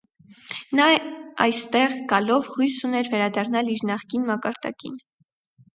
Նա այստեղ գալով հույս ուներ վերադառնալ իր նախկին մակարդակին։